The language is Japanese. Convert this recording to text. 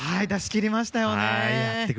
出し切りましたよね。